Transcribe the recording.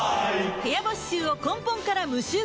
部屋干し臭を根本から無臭化